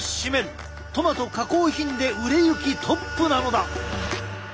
トマト加工品で売れ行きトップなのだ！